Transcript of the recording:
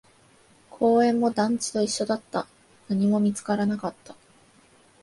公園も団地と一緒だった、何も見つからなかった